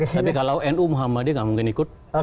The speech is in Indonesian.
tapi kalau nu muhammadin nggak mungkin ikut